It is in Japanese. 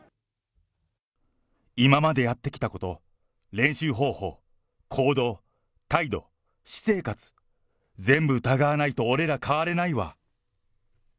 今までやってきたこと、練習方法、行動、態度、私生活、全部疑わないと俺ら、変われないわ。